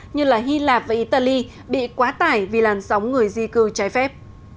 như hy lạp và italy bị quá tải vì làn sóng người di cư trái phép